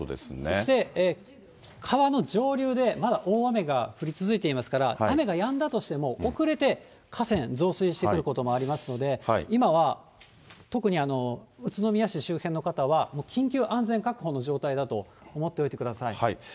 そして川の上流で、まだ大雨が降り続いていますから、雨がやんだとしても、遅れて河川、増水してくることもありますので、今は特に宇都宮市周辺の方は、緊急安全確保の状態だと思っておいてください。